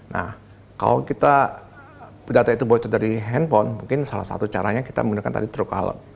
nah kalau kita data itu bocor dari handphone mungkin salah satu caranya kita menggunakan tadi truk caleg